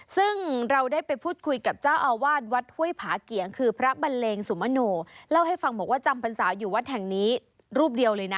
ซึ่งเราได้ไปพูดคุยกับเจ้าอาวาสวัดห้วยผาเกียงคือพระบันเลงสุมโนเล่าให้ฟังบอกว่าจำพรรษาอยู่วัดแห่งนี้รูปเดียวเลยนะ